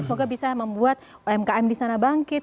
semoga bisa membuat umkm disana bangkit